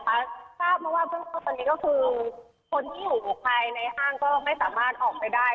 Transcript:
เพราะว่าตอนนี้คนที่อยู่ใครในห้างก็ไม่สามารถออกไปได้